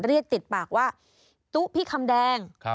เรียกติดปากว่าตุ๊พี่คำแดง